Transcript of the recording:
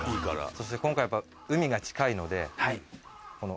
そして今回やっぱ海が近いので。